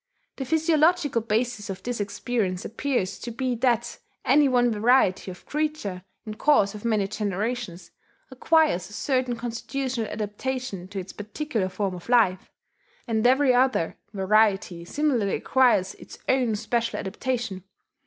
The physiological basis of this experience appears to be that any one variety of creature in course of many generations acquires a certain constitutional adaptation to its particular form of life, and every other variety similarly acquires its own special adaptation.